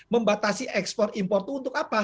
membatasi ekspor impor itu untuk apa